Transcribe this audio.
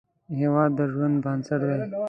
هیواد د ژوند بنسټ دی